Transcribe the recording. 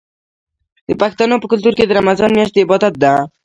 د پښتنو په کلتور کې د رمضان میاشت د عبادت ده.